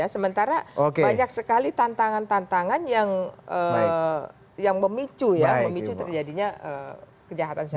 sementara banyak sekali tantangan tantangan yang memicu terjadinya kejahatan seksual